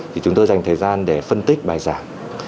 thì chúng tôi sẽ có thời gian để phân tích bài giảng